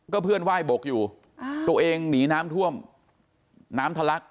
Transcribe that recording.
เพื่อนไหว้บกอยู่ตัวเองหนีน้ำท่วมน้ำทะลัก